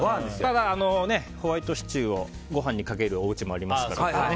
ただ、ホワイトシチューをご飯にかけるおうちもありますからね。